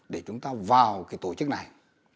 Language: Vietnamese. để chúng ta vào cái tổ chức này